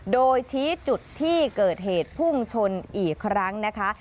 โดยชี้จุดที่เกิดเหตุพุ่งชนอีกครั้งนะคะ